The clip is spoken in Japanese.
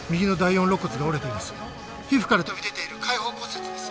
皮膚から飛び出ている開放骨折です。